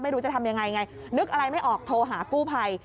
ไม่รู้จะทำยังไงไงนึกอะไรไม่ออกโทรหากู้ภัย